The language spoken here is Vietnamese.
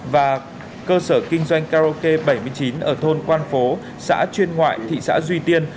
và cơ sở kinh doanh karaoke bảy mươi chín ở thôn quan phố xã chuyên ngoại thị xã duy tiên